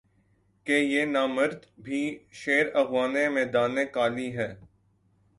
کہ یہ نامرد بھی شیر افگنِ میدانِ قالی ہے